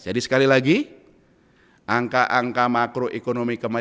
jadi sekali lagi angka angka makroekonomi kemarin